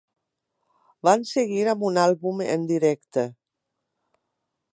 Van seguir amb un àlbum en directe.